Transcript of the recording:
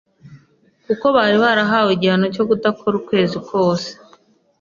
kuko bari barahawe igihano cyo kudakora ukwezi kose